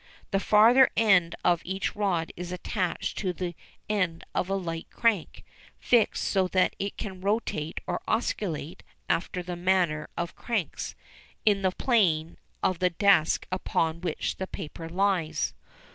The farther end of each rod is attached to the end of a light crank fixed so that it can rotate or oscillate, after the manner of cranks, in the plane of the desk upon which the paper lies.